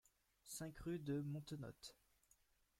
cinq rue de Montenotte